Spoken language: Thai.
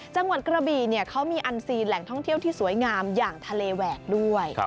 จังหวัดกระบีเขามีอันซีนแหล่งท่องเที่ยวที่สวยงามอย่างทะเลแหวกด้วย